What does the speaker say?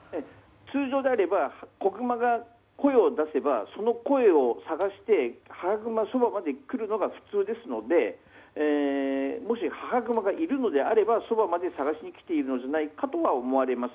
通常であれば子グマが声を出せばその声を探して、母グマがそばまで来るのが普通ですのでもしは母グマがいるのであればそばまで探しに来ていると思われます。